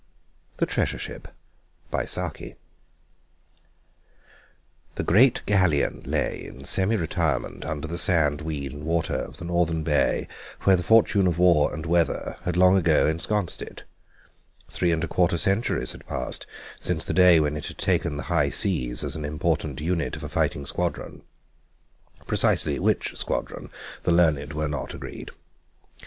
THE TREASURE SHIP The great galleon lay in semi retirement under the sand and weed and water of the northern bay where the fortune of war and weather had long ago ensconced it. Three and a quarter centuries had passed since the day when it had taken the high seas as an important unit of a fighting squadron—precisely which squadron the learned were not agreed.